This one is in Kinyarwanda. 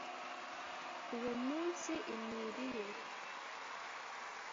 Uwo munsi imyiri ye,